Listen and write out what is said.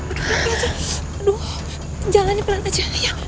aduh jalannya pelan aja